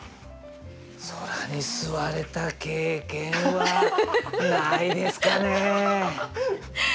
空に吸われた経験はないですかね。